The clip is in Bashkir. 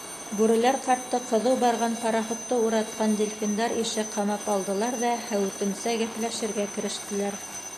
Бүреләр ҡартты ҡыҙыу барған пароходты уратҡан дельфиндар ише ҡамап алдылар ҙа һәүетемсә гәпләшергә керештеләр.